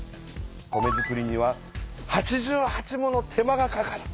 米づくりには８８もの手間がかかる。